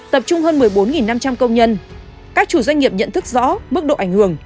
tập trung hơn một mươi bốn năm trăm linh công nhân các chủ doanh nghiệp nhận thức rõ mức độ ảnh hưởng